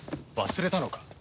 忘れたのか？